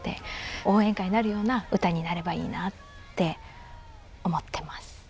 応援歌になるような歌になればいいなって思ってます。